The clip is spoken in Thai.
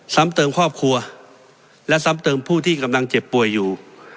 ซ้ำเติมครอบครัวและซ้ำเติมผู้ที่กำลังเจ็บป่วยอยู่